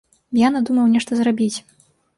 Я надумаў нешта зрабіць.